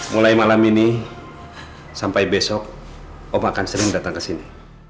mulai malam ini sampai besok om akan sering datang ke sini